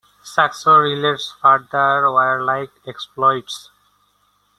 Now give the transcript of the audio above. Saxo relates further warlike exploits.